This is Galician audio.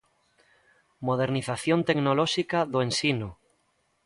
Modernización tecnolóxica do ensino.